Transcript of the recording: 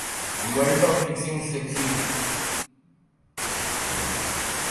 world cup fixing سکی